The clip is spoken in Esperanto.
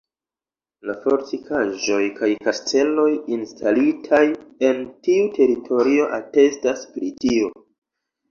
La fortikaĵoj kaj kasteloj instalitaj en tiu teritorio atestas pri tio.